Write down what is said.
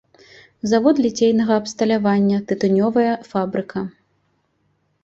Завод ліцейнага абсталявання, тытунёвая фабрыка.